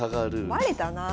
バレたなあ。